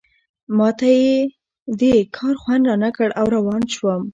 ما ته یې دې کار خوند رانه کړ او روان شوم.